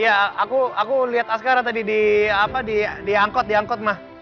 iya aku liat askara tadi diangkot diangkot ma